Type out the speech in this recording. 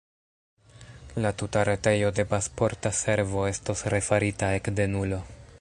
La tuta retejo de Pasporta Servo estos refarita ekde nulo.